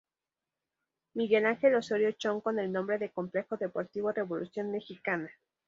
Miguel Ángel Osorio Chong con el nombre de Complejo Deportivo Revolución Mexicana.